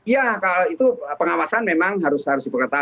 ya itu pengawasan memang harus diberkata